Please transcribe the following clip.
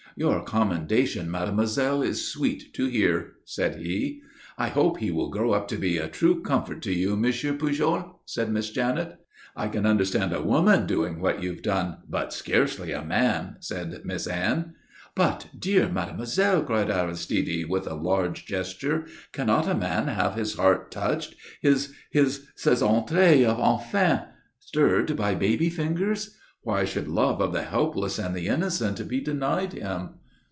"Your commendation, mademoiselle, is sweet to hear," said he. "I hope he will grow up to be a true comfort to you, M. Pujol," said Miss Janet. "I can understand a woman doing what you've done, but scarcely a man," said Miss Anne. "But, dear mademoiselle," cried Aristide, with a large gesture, "cannot a man have his heart touched, his his ses entrailles, enfin stirred by baby fingers? Why should love of the helpless and the innocent be denied him?"